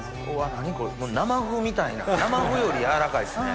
何これ生麩みたいな生麩よりやわらかいですね。